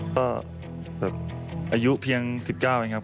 ก็แบบอายุเพียง๑๙เองครับ